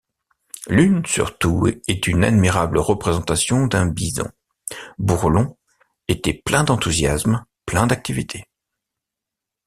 L’une surtout est une admirable représentation d’un bison. Bourlon était plein d'enthousiasme, plein d'activité.